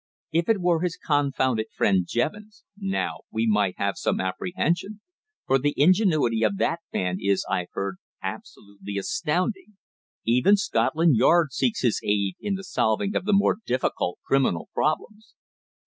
"If it were his confounded friend Jevons, now, we might have some apprehension; for the ingenuity of that man is, I've heard, absolutely astounding. Even Scotland Yard seeks his aid in the solving of the more difficult criminal problems."